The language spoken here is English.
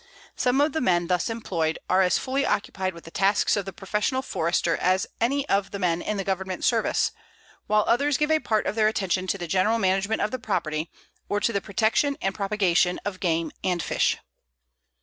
Some of the men thus employed are as fully occupied with the tasks of the professional Forester as any of the men in the Government service, while others give a part of their attention to the general management of the property, or to the protection and propagation of game and fish.